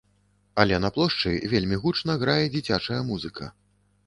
Але на плошчы вельмі гучна грае дзіцячая музыка.